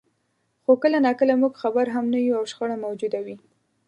خو کله ناکله موږ خبر هم نه یو او شخړه موجوده وي.